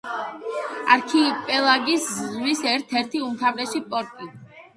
არქიპელაგის ზღვის ერთ-ერთი უმთავრესი პორტი.